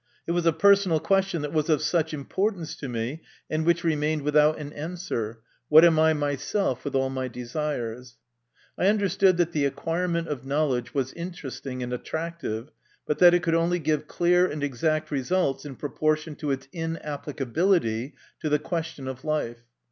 It was a personal question that was of such importance to me, and which remained without an answer, ' What am I myself with all my desires ?" I understood that the acquirement of knowledge was interesting and attractive, but that it could only give clear and exact results in proportion to its inapplicability to the question of life.